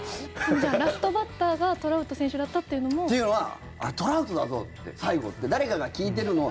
じゃあ、ラストバッターがトラウト選手だったというのも。というのはトラウトだぞ、最後って誰かが聞いてるの。